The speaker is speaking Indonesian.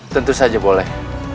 tentu saja boleh